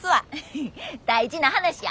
大事な話や。